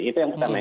itu yang pertama